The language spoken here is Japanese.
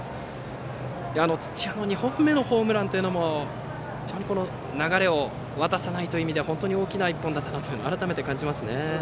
土屋の２本目のホームランは非常に流れを渡さないという意味では、大きな１本だったと改めて感じますね。